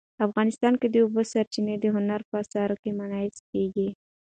افغانستان کې د اوبو سرچینې د هنر په اثار کې منعکس کېږي.